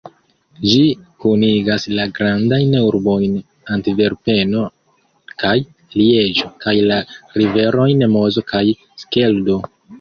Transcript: Ĝi kunigas la grandajn urbojn Antverpeno kaj Lieĝo kaj la riverojn Mozo kaj Skeldo.